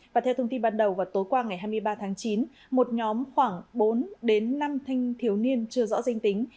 và theo thông tin ban đầu vào tối qua ngày hai mươi ba tháng chín một nhóm khoảng bốn đến năm thanh thiếu niên chưa rõ danh tính